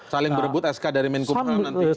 saling berebut sk dari menkumham nanti